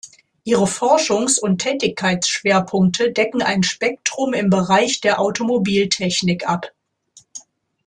Ihre Forschungs- und Tätigkeitsschwerpunkte decken ein Spektrum im Bereich der Automobiltechnik ab.